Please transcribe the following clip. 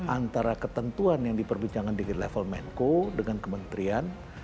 antara ketentuan yang diperbincangkan di level menko dengan kementerian